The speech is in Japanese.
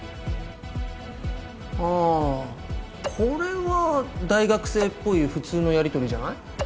あこれは大学生っぽい普通のやり取りじゃない？